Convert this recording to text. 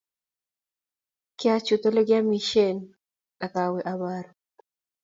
Kyachit olegiamishen agawe abaru.